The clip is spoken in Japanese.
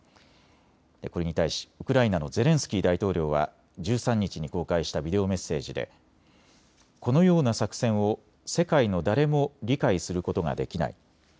これに対しウクライナのゼレンスキー大統領は１３日に公開したビデオメッセージでこのような作戦を世界の誰も理解することができない。